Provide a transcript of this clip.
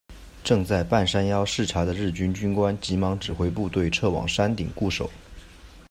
正在半山腰视察的日军军官急忙指挥部队撤往山顶固守。